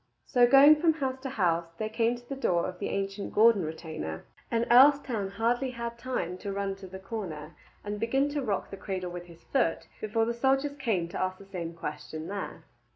So going from house to house they came to the door of the ancient Gordon retainer, and Earlstoun had hardly time to run to the corner and begin to rock the cradle with his foot before the soldiers came to ask the same question there.